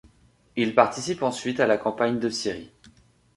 Il participe ensuite à la campagne de Syrie.